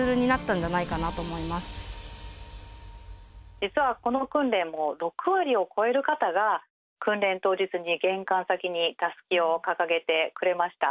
実はこの訓練も６割を超える方が訓練当日に玄関先にタスキを掲げてくれました。